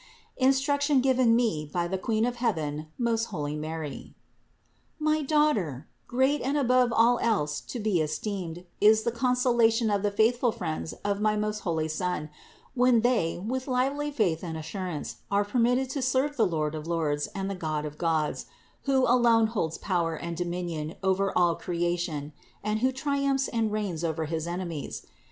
INSTRUCTION GIVEN ME BY THE QUEEN OF HEAVEN, MOST HOLY MARY. 651. My daughter, great and above all else to be es teemed, is the consolation of the faithful friends of my most holy Son, when they with lively faith and assurance are permitted to serve the Lord of lords and the God of gods, who alone holds power and dominion over all cre ation and who triumphs and reigns over his enemies.